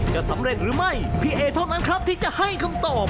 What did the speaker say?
จะสำเร็จหรือไม่พี่เอเท่านั้นครับที่จะให้คำตอบ